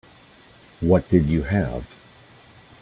What did you have?